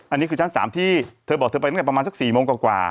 อันนี้คือชั้น๓ที่เธอบอกเธอไปตั้งแต่ประมาณสัก๔โมงกว่า